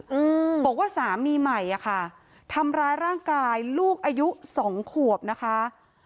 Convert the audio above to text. อืมบอกว่าสามีใหม่อ่ะค่ะทำร้ายร่างกายลูกอายุสองขวบนะคะ